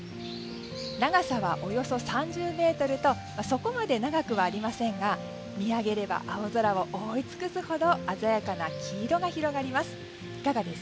長さは、およそ３０ｍとそこまで長くはありませんが見上げれば青空を覆い尽くすほど鮮やかな黄色が広がります。